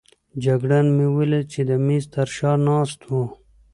جګړن مې ولید چې د مېز تر شا ناست وو.